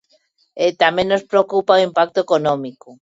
E tamén nos preocupa o impacto económico.